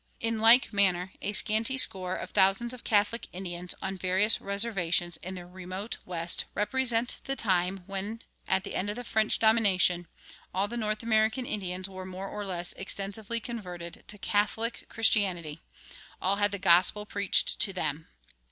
[23:1] In like manner, a scanty score of thousands of Catholic Indians on various reservations in the remote West represent the time when, at the end of the French domination, "all the North American Indians were more or less extensively converted" to Catholic Christianity, "all had the gospel preached to them."